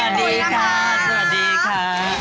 สวัสดีค่ะสวัสดีค่ะ